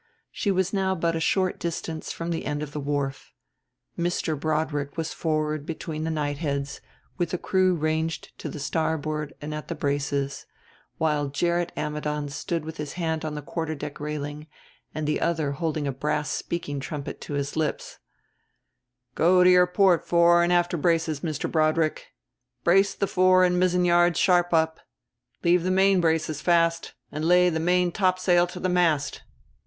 She was now but a short distance from the end of the wharf. Mr. Broadrick was forward between the knightheads with the crew ranged to the starboard and at the braces, while Gerrit Ammidon stood with one hand on the quarter deck railing and the other holding a brass speaking trumpet to his lips: "Let go your port fore and after braces, Mr. Broadrick; brace the fore and mizzen yards sharp up, leave the main braces fast, and lay the main topsail to the mast.